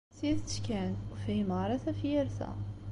Tidet kan, ur fhimeɣ ara tafyirt-a.